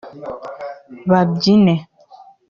babyine